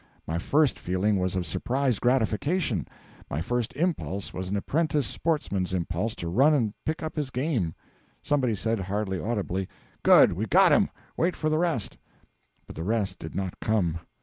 My first feeling was of surprised gratification; my first impulse was an apprentice sportsman's impulse to run and pick up his game. Somebody said, hardly audibly, 'Good we've got him! wait for the rest.' But the rest did not come.